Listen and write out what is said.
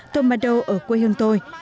tomado ở quê hương tôi